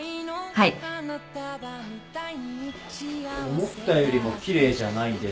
思ったよりも奇麗じゃないで。